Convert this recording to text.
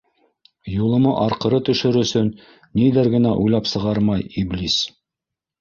Юлыма арҡыры төшөр өсөн ниҙәр генә уйлап сығармай, иблис!